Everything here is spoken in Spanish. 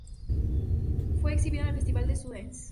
Fue exhibida en el Festival de Sundance.